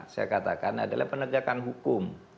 saya katakan adalah penegakan hukum